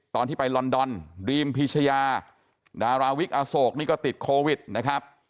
ตอนที่ไปลอนดอนดรีมพิชยาดาราวิกอโศกนี่ก็ติดโควิดนะครับ